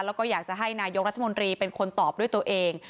แล้วก็อยากจะให้นายกรัฐมนตรีเป็นคนตอบด้วยตัวเอง